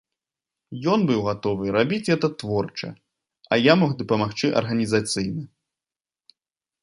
Ён быў гатовы рабіць гэта творча, а я мог дапамагчы арганізацыйна.